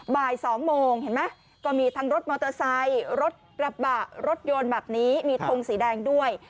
บ่าย๒โมงเห็นไหมก็มีทั้งรถมอเตอร์ไซค์รถกระบะรถยนต์แบบนี้มีทงสีแดงด้วย